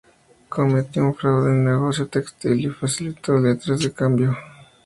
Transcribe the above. Cometió un fraude en un negocio textil y falsificó letras de cambio.